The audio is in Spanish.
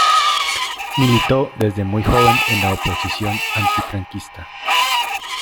Militó desde muy joven en la oposición antifranquista.